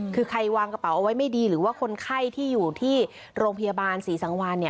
คือใครวางกระเป๋าเอาไว้ไม่ดีหรือว่าคนไข้ที่อยู่ที่โรงพยาบาลศรีสังวานเนี่ย